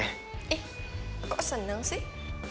eh kok seneng sih